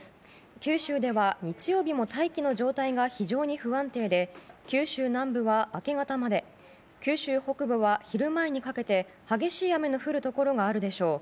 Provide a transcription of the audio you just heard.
九州では、日曜日も大気の状態が非常に不安定で九州南部は明け方まで九州北部は昼前にかけて激しい雨の降るところがあるでしょう。